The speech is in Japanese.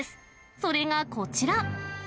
それがこちら。